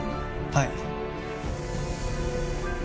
はい。